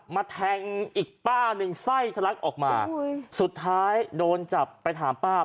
แทงอีกป้าหนึ่งไส้ทะลักออกมาสุดท้ายโดนจับไปถามป้า